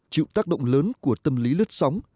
chịu tác động lớn của tâm lý lướt sóng